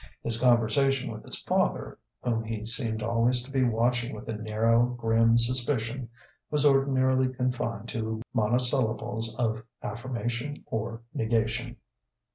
His conversation with his father, whom he seemed always to be watching with a narrow, grim suspicion, was ordinarily confined to monosyllables of affirmation or negation.